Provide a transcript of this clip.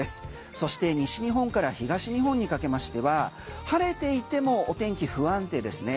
そして西日本から東日本にかけましては晴れていてもお天気不安定ですね。